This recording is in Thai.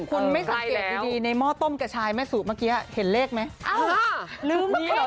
คุณไม่สัตเกียจที่ดีในหม้อต้มกับชายแม่สู้เมื่อกี้เห็นเลขมั้ย